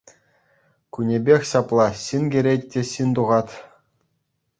Кунӗпех ҫапла — ҫын кӗрет те ҫын тухать.